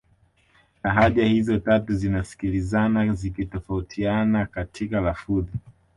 Lahaja hizo tatu zinasikilizana zikitofautiana katika lafudhi